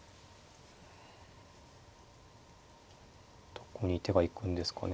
どこに手が行くんですかね。